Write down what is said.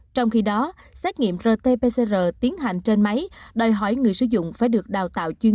trong khi đó xét nghiệm rt pcr tiến hành trên máy đòi hỏi người sử dụng phải được đào tạo chuyên